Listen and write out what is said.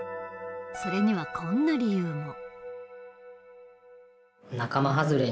それにはこんな理由も。